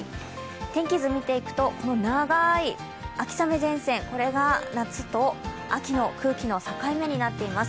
天気図見ていくと、この長い秋雨前線が夏と秋の空気の境目になっています